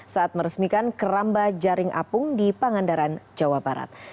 saat meresmikan keramba jaring apung di pangandaran jawa barat